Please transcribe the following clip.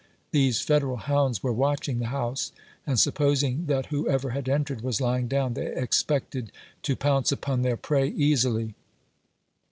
These Federal hounds were watching the house, and, supposing that who ever had entered was lying down, they expected to pounce upon their prey easily.